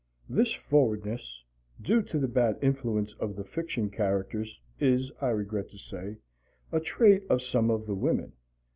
This forwardness, due to the bad influence of the fiction characters, is, I regret to say, a trait of some of the women.